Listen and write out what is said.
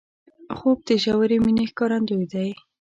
خوب د ژورې مینې ښکارندوی دی